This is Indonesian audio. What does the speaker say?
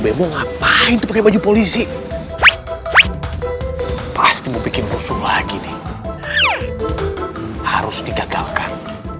terbawa ngapain tuh ke baju polisi pasti bikin usung lagi nih harus digagalkan